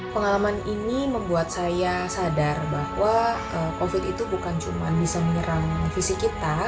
pengalaman ini membuat saya sadar bahwa covid itu bukan cuma bisa menyerang fisik kita